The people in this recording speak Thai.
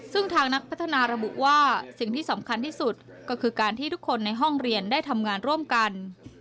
ซึ่งทางนักพัฒนาระบุว่าสิ่งที่สำคัญที่สุดก็คือการที่ทุกคนในห้องเรียนได้ทำงานร่วมกัน